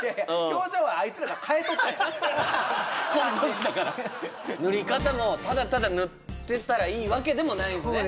表情はあいつらが変えとったんやコント師だから塗り方もただただ塗ってたらいいわけでもないんですね